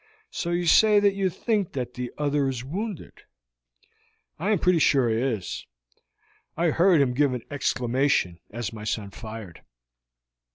So you say that you think that the other is wounded?" "I am pretty sure he is. I heard him give an exclamation as my son fired."